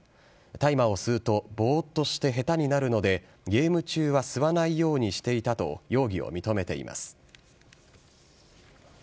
大麻を吸うとぼーっとして下手になるのでゲーム中は吸わないようにしていたと容疑を認めています。